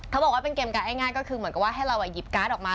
เขาบอกว่าเป็นเกมกะง่ายก็คือให้เราหยิบการ์ดออกมา